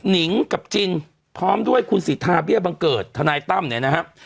นิงกับจินพร้อมด้วยคุณสิทธาเบี้ยบังเกิดทนายตั้มเนี่ยนะครับ